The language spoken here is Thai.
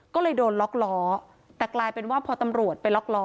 ก็เลยโดนล็อกล้อแต่กลายเป็นว่าพอตำรวจไปล็อกล้อ